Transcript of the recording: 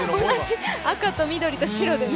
同じ赤と緑と白でね。